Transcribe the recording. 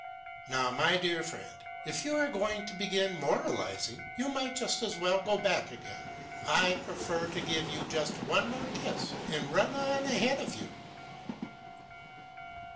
"Now, my dear friend, if you are going to begin moralizing, we might just as well go back again. I prefer to give you just one more kiss and run on ahead of you."